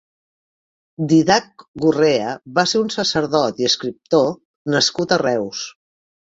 Dídac Gurrea va ser un sacerdot i escriptor nascut a Reus.